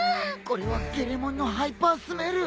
これはゲレモンのハイパースメル！